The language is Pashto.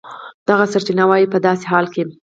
دغه سرچینه وایي په داسې حال کې